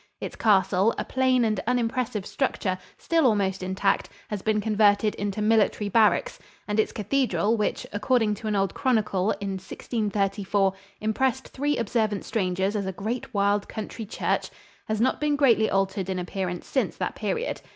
Its castle, a plain and unimpressive structure, still almost intact, has been converted into military barracks, and its cathedral, which, according to an old chronicle, in 1634 "impressed three observant strangers as a great wild country church," has not been greatly altered in appearance since that period.